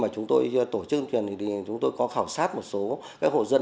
khi mà chúng tôi tổ chức tuyên truyền thì chúng tôi có khảo sát một số hộ dân